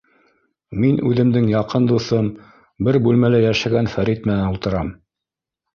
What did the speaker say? Мин үҙемдең яҡын дуҫым, бер бүлмәлә йәшәгән Фәрит менән ултырам.